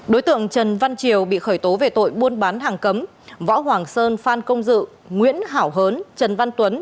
đối tượng trần văn triều bị khởi tố về tội buôn bán hàng cấm võ hoàng sơn phan công dự nguyễn hảo hớn trần văn tuấn